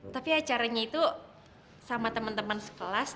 tapi acaranya itu sama teman teman sekelas